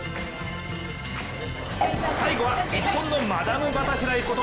最後は日本のマダムバタフライこと